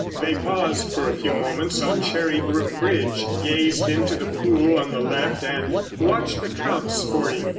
They paused for a few moments on Cherry Brook bridge, gazed into the pool on the left and watched the trout sporting.